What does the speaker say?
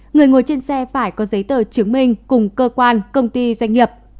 người ngồi trên xe phải có giấy tờ chứng minh cùng cơ quan công ty doanh nghiệp